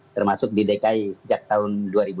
termasuk di dki sejak tahun dua ribu dua